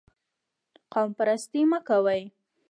قوم پرستي مه کوئ